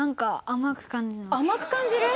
甘く感じる？